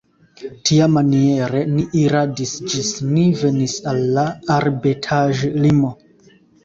Tiamaniere ni iradis ĝis ni venis al la arbetaĵlimo.